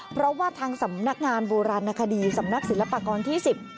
เพราะว่าทางสำนักงานโบราณคดีสำนักศิลปากรที่๑๐